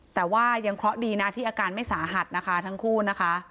แต่ว่ายังเคราะห์ดีนะที่อาการไม่สาหัสนะคะทั้งคู่นะคะ